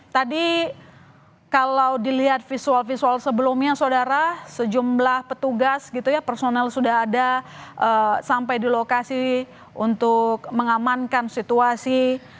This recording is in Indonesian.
tadi kalau dilihat visual visual sebelumnya saudara sejumlah petugas gitu ya personel sudah ada sampai di lokasi untuk mengamankan situasi